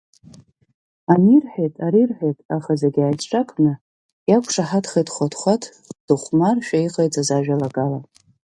Ани рҳәеит, ари рҳәеит, аха зегьы еицҿакны иақәшаҳаҭхеит Хәаҭхәаҭ дыхәмаршәа иҟаиҵаз ажәалагала.